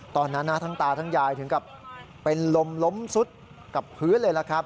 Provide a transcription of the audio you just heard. ตอนนั้นทั้งตาทั้งยายถึงกับเป็นลมล้มซุดกับพื้นเลยล่ะครับ